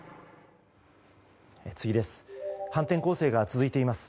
次です。